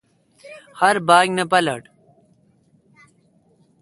ہر باگ نہ پالٹل۔